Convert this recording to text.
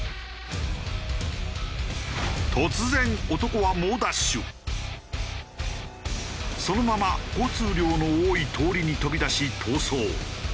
突然男はそのまま交通量の多い通りに飛び出し逃走。